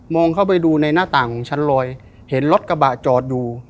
เข้าไปดูในหน้าต่างของชั้นลอยเห็นรถกระบะจอดอยู่